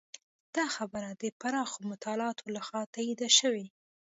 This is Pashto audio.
دا خبره د پراخو مطالعاتو لخوا تایید شوې.